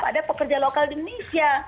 pada pekerja lokal di indonesia